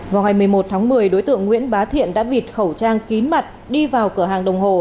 vào ngày một mươi một tháng một mươi đối tượng nguyễn bá thiện đã bịt khẩu trang kín mặt đi vào cửa hàng đồng hồ